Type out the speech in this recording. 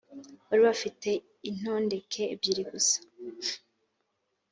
bari bafite intondeke ebyiri gusa